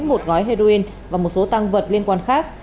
một gói heroin và một số tăng vật liên quan khác